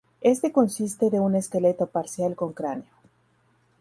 Este consiste de un esqueleto parcial con cráneo.